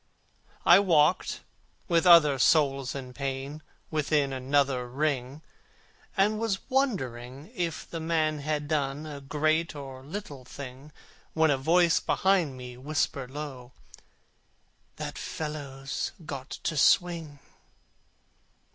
I walked, with other souls in pain, Within another ring, And was wondering if the man had done A great or little thing, When a voice behind me whispered low, "That fellow's got to swing."